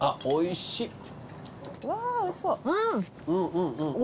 おいしい。